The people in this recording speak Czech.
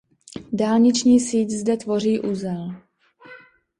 Dálniční síť zde tvoří uzel.